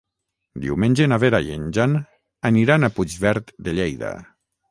Diumenge na Vera i en Jan aniran a Puigverd de Lleida.